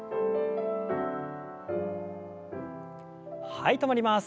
はい止まります。